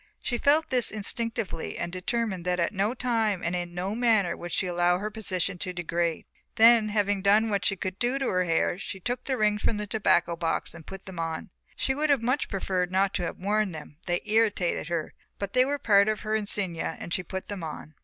She felt this instinctively and determined that at no time and in no manner would she allow her position to degrade. Then, having done what she could to her hair she took the rings from the tobacco box and put them on. She would have much preferred not to have worn them, they irritated her, but they were part of her insignia and she put them on.